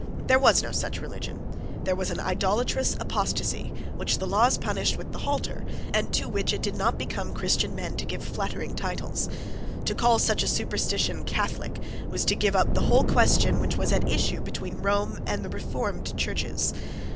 There was no such religion. There was an idolatrous apostasy, which the laws punished with the halter, and to which it did not become Christian men to give flattering titles. To call such a superstition Catholic was to give up the whole question which was at issue between Rome and the reformed Churches.